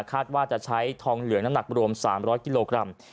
คาดว่าจะใช้ทองเหลืองน้ำหนักรวม๓๐๐กิโลกรัม